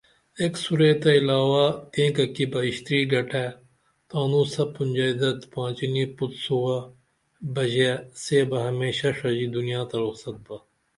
ایک سُرے تہ علاوہ تینکہ کی بہ اشتری گٹائی تانون سپُن جئیدد پانچینی پُتریسوہ بژی سیبہ ہیمشہ ڜژی دنیا تہ رخصت با